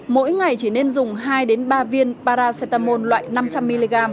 mỗi ngày chỉ nên dùng hai ba viên paracetamol loại năm trăm linh mg